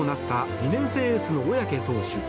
２年生エースの小宅投手。